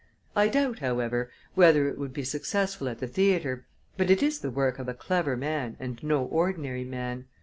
I doubt, however, whether it would be successful at the theatre, but it is the work of a clever man and no ordinary man.